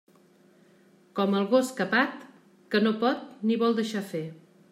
Com el gos capat, que no pot ni vol deixar fer.